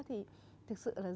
thì thực sự là